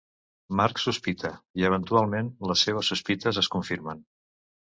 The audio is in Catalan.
Marc sospita, i eventualment les seves sospites es confirmen.